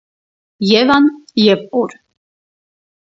Եվան և օր.